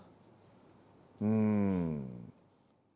うん。